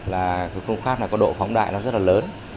là cái phương pháp này có độ phóng đại nó rất là lớn